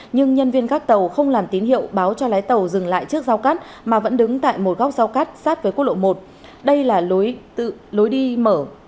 nhưng nhân viên các tàu không làm tín hiệu báo cho lái tàu dừng lại trước giao cắt mà vẫn đứng tại một góc giao cắt sát với quốc lộ một